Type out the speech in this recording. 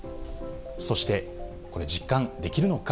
そして、これ、実感できるのか？